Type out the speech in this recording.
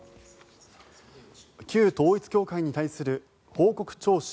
旧統一教会に対する報告徴収